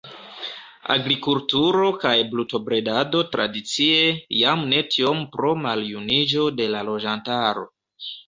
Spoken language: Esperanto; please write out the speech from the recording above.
Agrikulturo kaj brutobredado tradicie, jam ne tiom pro maljuniĝo de la loĝantaro.